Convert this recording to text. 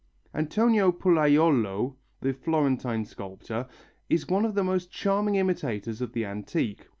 Antonio Pollaiolo, the Florentine sculptor, is one of the most charming imitators of the antique.